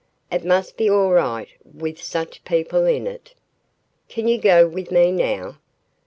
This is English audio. It must be all right with such people in it." "Can you go with me now?"